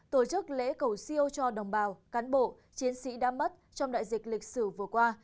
tổ chức lễ cầu siêu cho đồng bào cán bộ chiến sĩ đã mất trong đại dịch lịch sử vừa qua